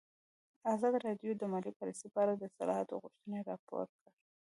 ازادي راډیو د مالي پالیسي په اړه د اصلاحاتو غوښتنې راپور کړې.